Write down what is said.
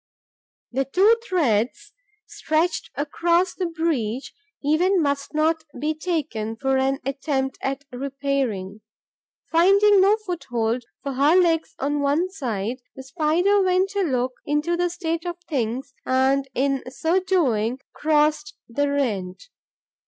The two threads stretched across the breach even must not be taken for an attempt at repairing. Finding no foothold for her legs on one side, the Spider went to look into the state of things and, in so doing, crossed the rent.